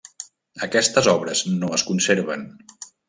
Aquestes obres no es conserven.